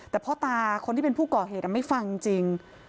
แต่พ่อตาคนที่เป็นผู้ก่อเหตุไม่ฟังจริง